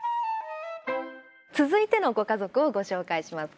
続いてのご家族をご紹介します。